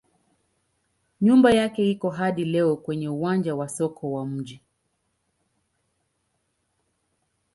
Nyumba yake iko hadi leo kwenye uwanja wa soko wa mji.